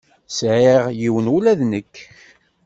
Sɛiɣ yiwen ula d nekk.